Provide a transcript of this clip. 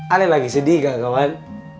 ale lagi sedih ga kawan